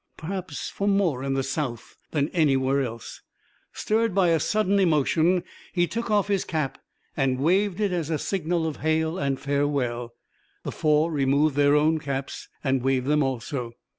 Perhaps for more in the South than anywhere else. Stirred by a sudden emotion he took off his cap and waved it as a signal of hail and farewell. The four removed their own caps and waved them also.